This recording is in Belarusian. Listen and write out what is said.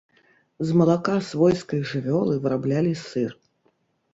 З малака свойскай жывёлы выраблялі сыр.